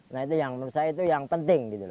nah itu yang menurut saya itu yang penting